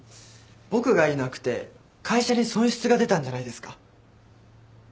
僕がいなくて会社に損失が出たんじゃないですか？